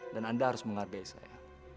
dan anda harus menghargai saya